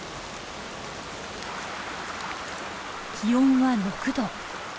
気温は６度。